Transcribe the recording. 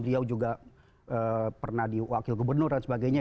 beliau juga pernah diwakil gubernur dan sebagainya